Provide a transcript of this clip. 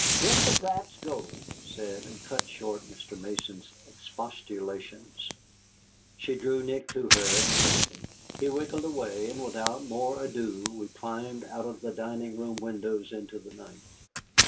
"Let the brats go," she said, and cut short Mr. Mason's expostulations. She drew Nick to her and kissed him. He wriggled away, and without more ado we climbed out of the dining room windows into the night.